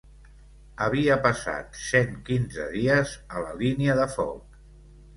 Havia passat cent quinze dies a la línia de foc